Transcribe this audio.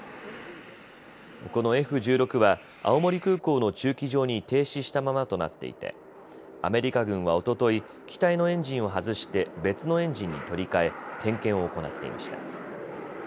このＦ１６は青森空港の駐機場に停止したままとなっていてアメリカ軍はおととい機体のエンジンを外して別のエンジンに取り替え点検を行っていました。